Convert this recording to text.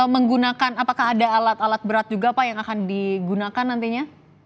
menggunakan apakah ada alat alat berat juga pak yang akan digunakan nantinya